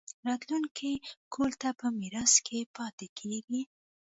راتلونکي کهول ته پۀ ميراث کښې پاتې کيږي